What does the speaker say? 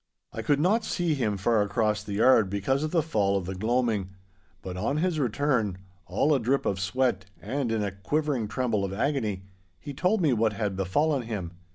I could not see him far across the yard because of the fall of the gloaming, but on his return, all a drip of sweat and in a quivering tremble of agony, he told me what had befallen him.